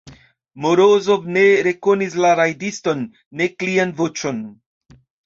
Morozov ne rekonis la rajdiston, nek lian voĉon.